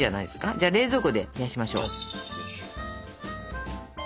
じゃあ冷蔵庫で冷やしましょう。